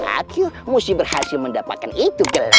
aku musti berhasil mendapatkan itu gelar